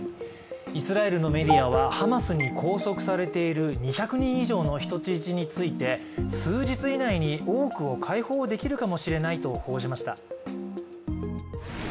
イスラエルのメディアはハマスに拘束されている２００人以上の人質について数日以内に多くを解放できるかもしれないと報じました。